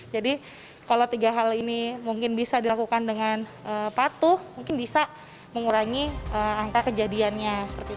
jadi kalau tiga hal ini mungkin bisa dilakukan dengan patuh mungkin bisa mengurangi angka kejadiannya